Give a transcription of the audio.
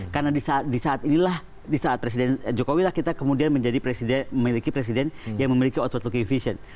karena di saat inilah di saat presiden jokowi lah kita kemudian menjadi presiden yang memiliki outward looking vision